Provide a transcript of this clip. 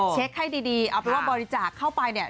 เช็คให้ดีเอาไปบริจาคเข้าไปเนี่ย